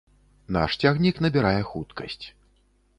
Наш цягнік набірае хуткасць.